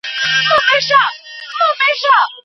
شاه حسین د ګورګین مرستې ته اړتیا پیدا کړه.